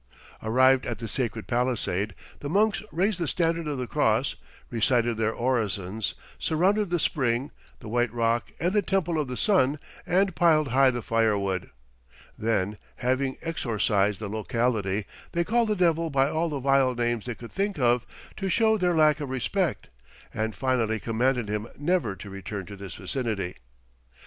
Arrived at the sacred palisade, the monks raised the standard of the cross, recited their orisons, surrounded the spring, the white rock and the Temple of the Sun, and piled high the firewood. Then, having exorcised the locality, they called the Devil by all the vile names they could think of, to show their lack of respect, and finally commanded him never to return to this vicinity.